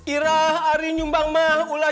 irah ari nyumbang mah ulang